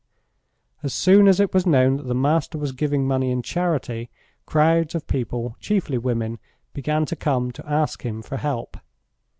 As soon as it was known that the master was giving money in charity, crowds of people, chiefly women, began to come to ask him for help.